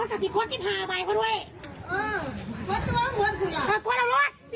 เนี่ยจนแบบโอ้โหวิดวางมวย